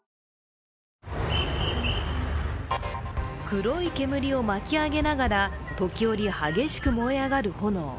黒い煙を巻き上げながら時折、激しく燃え上がる炎。